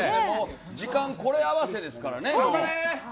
時間、これ合わせですからね。